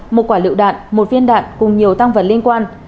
một quả lựu đạn một viên đạn cùng nhiều tăng vật liên quan